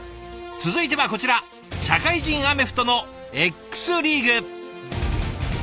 続いてはこちら社会人アメフトのＸリーグ。